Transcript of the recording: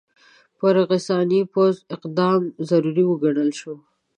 پر غساني پوځي اقدام ضروري وګڼل شو.